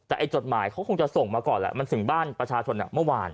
แต่ไอ้จดหมายเขาคงจะส่งมาก่อนแหละมันถึงบ้านประชาชนเมื่อวาน